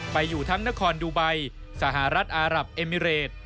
ไปอยู่ทั้งนครดูไบสหรัฐอารับเอมิเรต